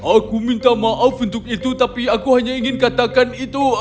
aku minta maaf untuk itu tapi aku hanya ingin katakan itu